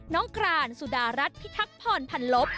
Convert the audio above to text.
น้องกรานสุดารัฐพิทักษ์พรพันธ์ลบ